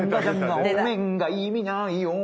お面が意味ないよ。